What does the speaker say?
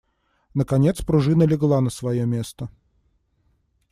Наконец пружина легла на свое место.